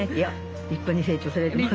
立派に成長されてます。